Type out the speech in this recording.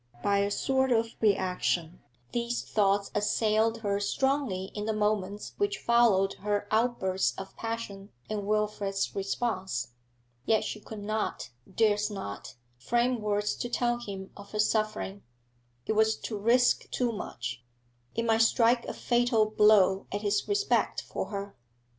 By a sort of reaction, these thoughts assailed her strongly in the moments which followed her outburst of passion and Wilfrid's response. Yet she could not durst not frame words to tell him of her suffering. It was to risk too much; it might strike a fatal blow at his respect for her.